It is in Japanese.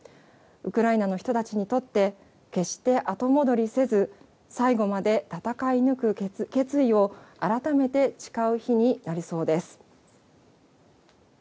ウクライナの人たちにとって、決して後戻りせず、最後まで戦い抜く決意を改めて誓う日になりそうです。